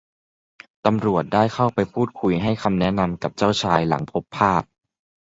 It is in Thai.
ตำรวจได้เข้าไปพูดคุยให้คำแนะนำกับเจ้าชายหลังพบภาพ